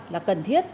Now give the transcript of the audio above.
là cần thiết